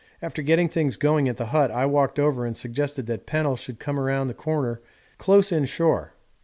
After getting things going at the hut, I walked over and suggested that Pennell should come round the corner close in shore.